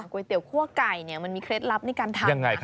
ก๋วยเตี๋ยวคั่วไก่มันมีเคล็ดลับในการทาน